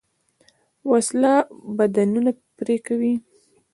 وسله بدنونه پرې کوي